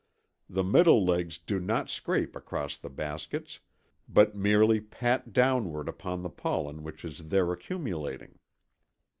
The middle legs do not scrape across the baskets, but merely pat downward upon the pollen which is there accumulating.